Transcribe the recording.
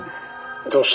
どうした。